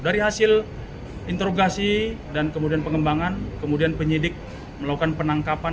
dari hasil interogasi dan kemudian pengembangan kemudian penyidik melakukan penangkapan